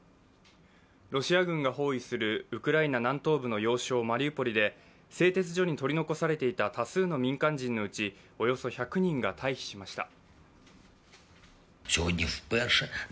ロシア軍が包囲するウクライナ南東部の要衝マリウポリで製鉄所に取り残されていた多数の民間人のうちおよそ１００人が退避しました。